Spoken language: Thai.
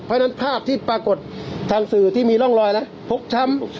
เพราะฉะนั้นภาพที่ปรากฏทางสื่อที่มีร่องรอยนะพกช้ำ